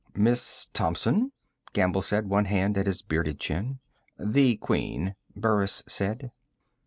"Miss Thompson?" Gamble said, one hand at his bearded chin. "The Queen," Burris said.